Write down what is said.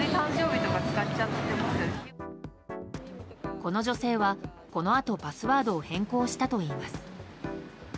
この女性は、このあとパスワードを変更したといいます。